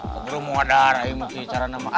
keburu mau ada harai mesti caranya mak